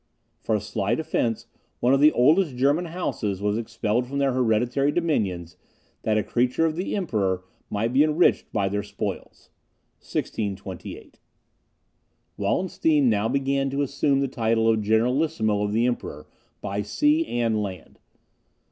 For a slight offence, one of the oldest German houses was expelled from their hereditary dominions, that a creature of the Emperor might be enriched by their spoils (1628). Wallenstein now began to assume the title of generalissimo of the Emperor by sea and land.